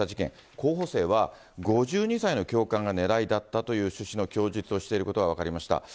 候補生は、５２歳の教官が狙いだったとの趣旨の供述をしていることが分かりました。